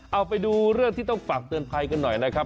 เอาไปดูเรื่องที่ต้องฝากเตือนภัยกันหน่อยนะครับ